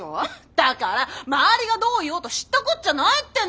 だから周りがどう言おうと知ったこっちゃないっての！